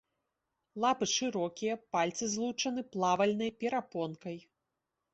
Лапы шырокія, пальцы злучаны плавальнай перапонкай.